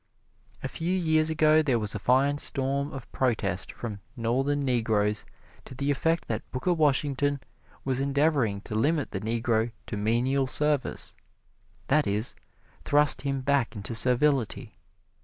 A few years ago there was a fine storm of protest from Northern Negroes to the effect that Booker Washington was endeavoring to limit the Negro to menial service that is, thrust him back into servility.